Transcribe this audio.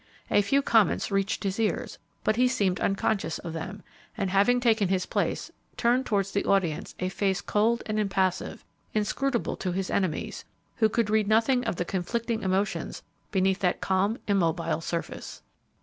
A few comments reached his ears, but he seemed unconscious of them, and, having taken his place, turned towards the audience a face cold and impassive, inscrutable to his enemies, who could read nothing of the conflicting emotions beneath that calm, immobile surface.